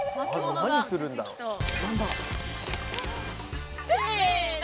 何するんだろう？せの！